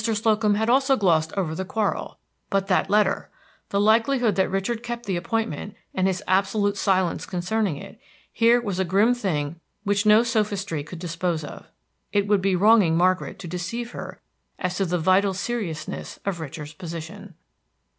Slocum had also glossed over the quarrel; but that letter! the likelihood that Richard kept the appointment, and his absolute silence concerning it, here was a grim thing which no sophistry could dispose of. It would be wronging Margaret to deceive her as to the vital seriousness of Richard's position.